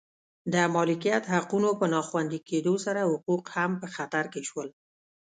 د مالکیت حقونو په نا خوندي کېدو سره حقوق هم په خطر کې شول